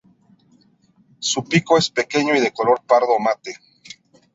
Su pico es pequeño y de color pardo mate.